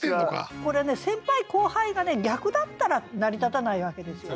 これね先輩・後輩が逆だったら成り立たないわけですよね。